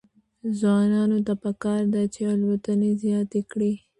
ځوانانو ته پکار ده چې، الوتنې زیاتې کړي.